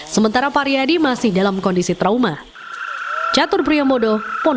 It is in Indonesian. sementara pariyadi masih dalam kondisi trauma